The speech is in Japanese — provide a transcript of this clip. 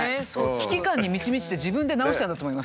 危機感に満ち満ちて自分で治したんだと思います。